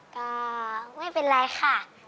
ก็ไม่เป็นไรค่ะ